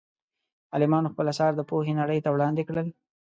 عالمانو خپل اثار د پوهې نړۍ ته وړاندې کړل.